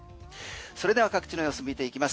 それでは各地の様子見ていきます。